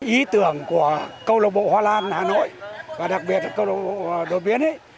ý tưởng của câu lạc bộ hoa lan hà nội và đặc biệt là câu lạc bộ đột biến